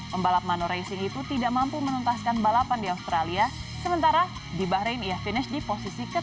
pembalap manor racing itu tidak mampu menuntaskan balapan di australia sementara di bahrain ia finish di posisi ke dua puluh